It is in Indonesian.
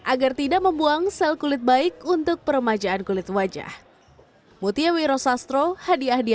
agar tidak membuang sel kulit baik untuk peremajaan kulit wajah